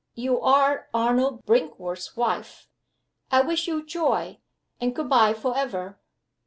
You are Arnold Brinkworth's wife. I wish you joy, and good by forever."